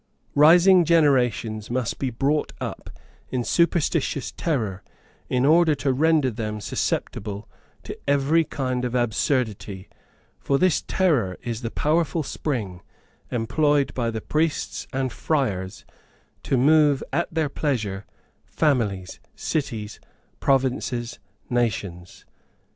Rising generations must be brought up in superstitious terror, in order to render them susceptible to every kind of absurdity; for this terror is the powerful spring, employed by the priests and friars, to move at their pleasure families, cities, provinces, nations.